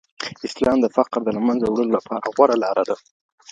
اسلام د فقر د له منځه وړلو لپاره غوره لاره ده.